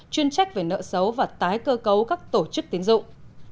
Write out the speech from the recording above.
chuyên trách về nợ xấu và tái cơ cấu các tổ chức tiến dụng